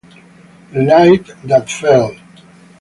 The Light That Failed